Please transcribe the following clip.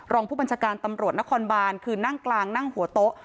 รองผู้บัญชาการตำรวจนครบานคือนั่งกลางนั่งหัวโต๊ะ